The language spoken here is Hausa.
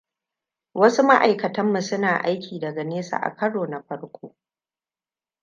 Wasu ma’aikatanmu suna aiki daga nesa akaro na farko.